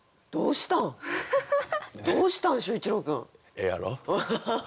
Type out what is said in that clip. ええやろ？